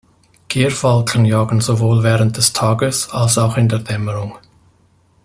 Gerfalken jagen sowohl während des Tages als auch in der Dämmerung.